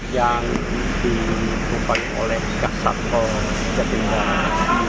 yang ditumpang oleh kasato jati negara